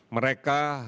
mereka saya dan saya